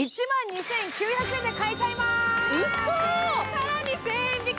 さらに１０００円引き。